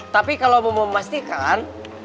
tapi kalau mau memastikan